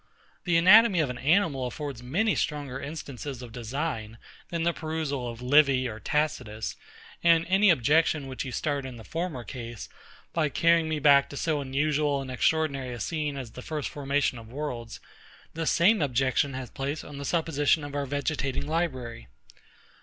The anatomy of an animal affords many stronger instances of design than the perusal of LIVY or TACITUS; and any objection which you start in the former case, by carrying me back to so unusual and extraordinary a scene as the first formation of worlds, the same objection has place on the supposition of our vegetating library.